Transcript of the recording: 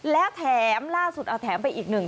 แล้วแถมล่าสุดเอาแถมไปอีกหนึ่ง